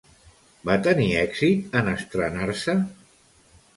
Va tenir èxit en estrenar-se?